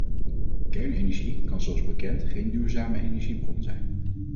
Kernenergie kan zoals bekend geen duurzame energiebron zijn.